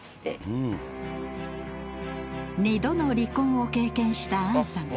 二度の離婚を経験したアンさん。